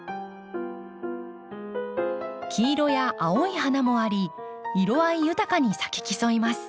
黄色や青い花もあり色合い豊かに咲き競います。